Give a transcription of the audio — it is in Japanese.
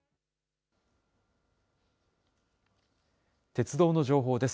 鉄道の情報です。